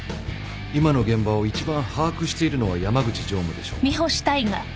今の現場を一番把握しているのは山口常務でしょう。